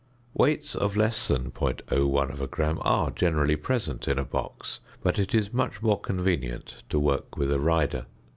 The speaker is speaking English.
Weights of less than 0.01 gram are generally present in a box, but it is much more convenient to work with a rider.